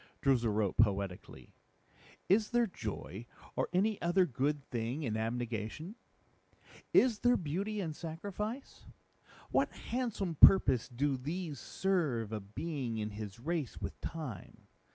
Droozle wrote poetically, "Is there Joy or any other good thing in Abnegation? Is there Beauty in Sacrifice? What Handsome purpose do these serve a being in his race with Time?